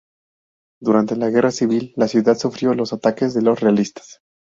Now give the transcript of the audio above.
Durante la Guerra Civil la ciudad sufrió los ataques de los realistas.